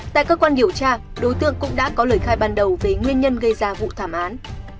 tại cơ quan điều tra đối tượng cũng đã có lời khai ban đầu về nguyên nhân gây ra vụ thảm án